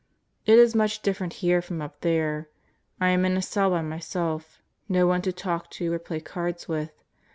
It is much different here from up there. I am in a cell by myself no one to talk to or play cards with.